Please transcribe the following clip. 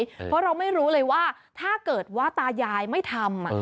เพราะเราไม่รู้เลยว่าถ้าเกิดว่าตายายไม่ทำ